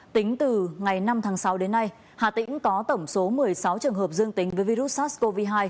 tính từ ngày năm tháng sáu đến nay hà tĩnh có tổng số một mươi sáu trường hợp dương tính với virus sars cov hai